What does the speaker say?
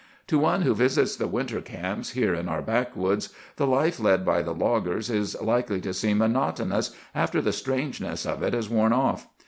"To one who visits the winter camps here in our backwoods, the life led by the loggers is likely to seem monotonous after the strangeness of it has worn off.